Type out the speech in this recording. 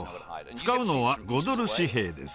使うのは５ドル紙幣です。